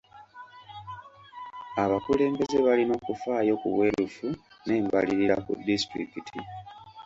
Abakulembeze balina okufaayo ku bwerufu n'embalirira ku disitulikiti.